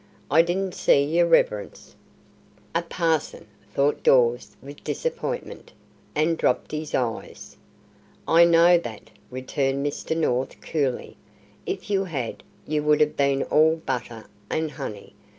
"I didn't see yer reverence." "A parson!" thought Dawes with disappointment, and dropped his eyes. "I know that," returned Mr. North, coolly. "If you had, you would have been all butter and honey.